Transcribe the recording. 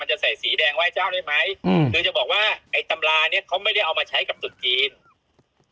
จะใส่สีแดงไหว้เจ้าได้ไหมอืมโดยจะบอกว่าไอ้ตำราเนี้ยเขาไม่ได้เอามาใช้กับตุดจีน